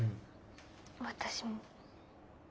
私も。